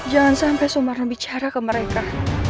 jangan sampai sumara bicara ke mereka